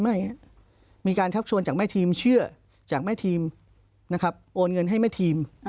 ไม่มีการชักชวนจากแม่ทีมเชื่อจากแม่ทีมนะครับโอนเงินให้แม่ทีม